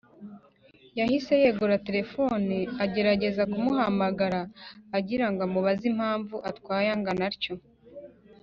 yahise yegura telefoni agerageza kumuhamagara agirango amubaze impamvu atwaye angana atyo